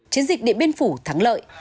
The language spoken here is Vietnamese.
chiến dịch địa biên phủ thắng lợi